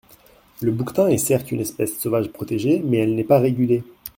Le bouquetin est certes une espèce sauvage protégée, mais elle n’est pas régulée.